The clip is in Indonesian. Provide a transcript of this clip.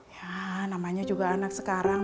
ya namanya juga anak sekarang